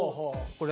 これ？